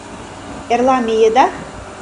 Эрла миеда?